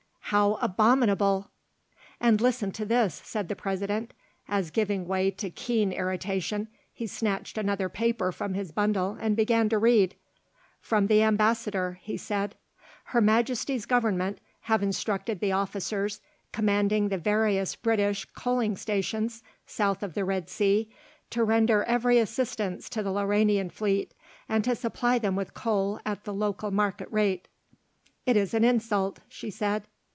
"How abominable!" "And listen to this," said the President, as giving way to keen irritation he snatched another paper from his bundle and began to read. "From the Ambassador," he said: "_Her Majesty's Government have instructed the officers commanding the various British coaling stations south of the Red Sea, to render every assistance to the Lauranian fleet and to supply them with coal at the local market rate_." "It is an insult," she said.